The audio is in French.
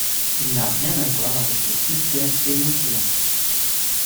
Il n'a rien à voir avec le système hénokéen.